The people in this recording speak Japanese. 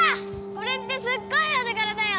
これってすっごいお手がらだよ！